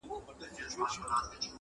هی توبه چي در ته غل د لاري مل سي-